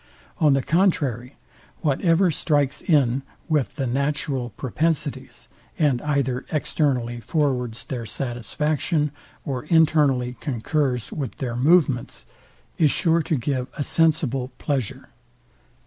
On the contrary, whatever strikes in with the natural propensities, and either externally forwards their satisfaction, or internally concurs with their movements, is sure to give a sensible pleasure.